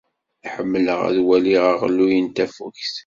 Ḥemmleɣ ad waliɣ aɣelluy n tafukt.